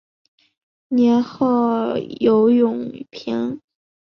年号有永平。